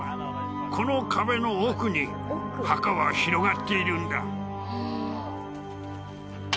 この壁の奥に墓は広がっているんだ。